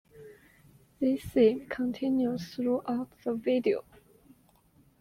This theme continues throughout the video.